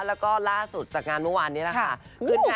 และก็ล่าสุดจากงานเมื่อวันนี้แล้วค่ะเยี่ยมกับเกิดการรับไม้